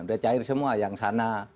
udah cair semua yang sana